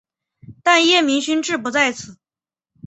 但叶明勋志不在此。